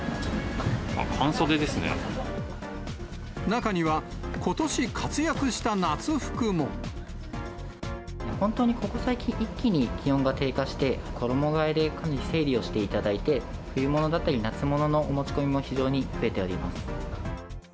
中には、本当にここ最近、一気に気温が低下して、衣がえで整理をしていただいて、冬物だったり、夏物のお持ち込みも非常に増えております。